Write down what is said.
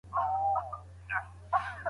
د شام مېرمني أم المومنين ته راغلې.